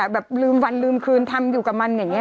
แบบลืมวันลืมคืนทำอยู่กับมันอย่างนี้